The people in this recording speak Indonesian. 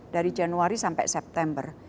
dari januari sampai september